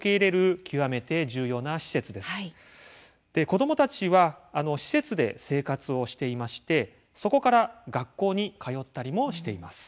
子どもたちは施設で生活をしていましてそこから学校に通ったりもしています。